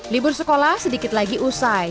libur sekolah sedikit lagi usai